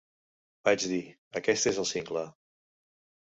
Vaig dir, ¡aquest és el single!